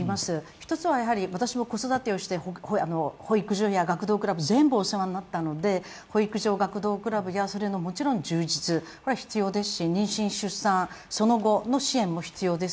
１つは私も子育てをして保育所や学童クラブ、全部お世話になったので保育所、学童クラブそれの充実、それは必要ですし妊娠、出産、その後の切れ目のない支援も必要です。